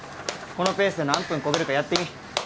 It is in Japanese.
このペースで何分こげるかやってみ。